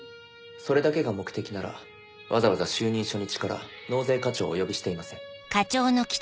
それだけが目的ならわざわざ就任初日から納税課長をお呼びしていません。